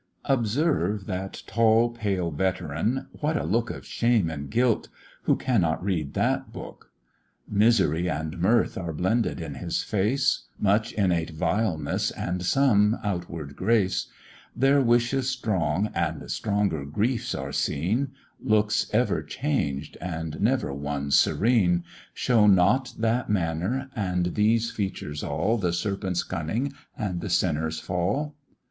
OBSERVE that tall pale Veteran! what a look Of shame and guilt! who cannot read that book? Misery and mirth are blended in his face, Much innate vileness and some outward grace; There wishes strong and stronger griefs are seen, Looks ever changed, and never one serene: Show not that manner, and these features all, The serpent's cunning, and the sinner's fall?